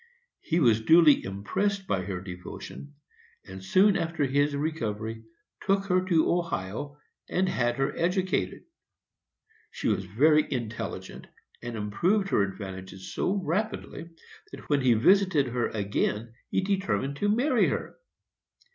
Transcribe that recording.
He was duly impressed by her devotion, and soon after his recovery took her to Ohio, and had her educated. She was very intelligent, and improved her advantages so rapidly that when he visited her again he determined to marry her.